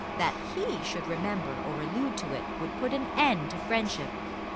That he should remember or allude to it, would put an end to friendship.